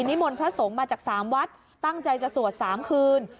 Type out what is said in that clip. นิมนต์พระสงฆ์มาจาก๓วัดตั้งใจจะสวด๓คืน